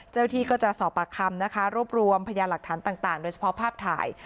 ที่ก็จะสอบปากคำนะคะรวบรวมพยานหลักฐานต่างโดยเฉพาะภาพถ่าย